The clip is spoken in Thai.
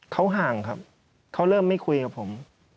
เขาห่างครับเขาเริ่มไม่คุยกับผม